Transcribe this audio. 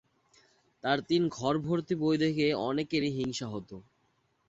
তার তিন ঘর ভর্তি বই দেখে অনেকেরই হিংসা হত।